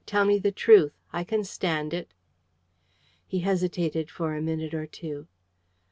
Tell me the truth. I can stand it." He hesitated for a minute or two.